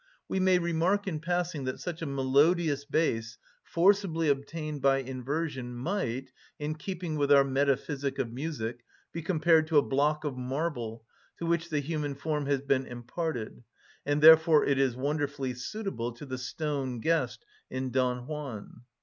We may remark in passing that such a melodious bass, forcibly obtained by inversion, might, in keeping with our metaphysic of music, be compared to a block of marble to which the human form has been imparted: and therefore it is wonderfully suitable to the stone guest in "Don Juan."